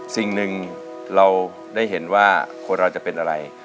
สิ่งหนึ่งเราได้เห็นว่าคนเราจะเป็นอะไร